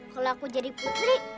kalo aku jadi putri